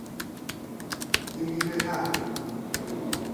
ยินดีด้วยค่ะ